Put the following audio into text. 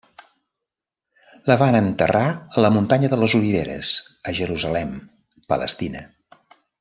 La van enterrar a la muntanya de les Oliveres, a Jerusalem, Palestina.